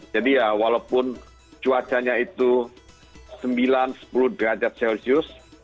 jadi ya walaupun cuacanya itu sembilan sepuluh derajat celcius